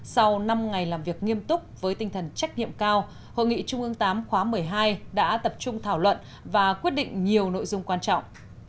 sau năm ngày làm việc nghiêm túc với tinh thần trách nhiệm cao hội nghị trung ương viii khóa một mươi hai đã tập trung thảo luận và quyết định nhiều nội dung quan trọng